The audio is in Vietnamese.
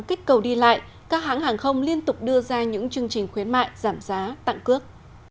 kích cầu đi lại các hãng hàng không liên tục đưa ra những chương trình khuyến mại giảm giá tặng cước